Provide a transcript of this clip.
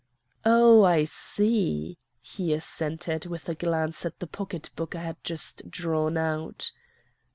"'O, I see,' he assented with a glance at the pocketbook I had just drawn out.